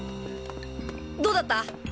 どうだった？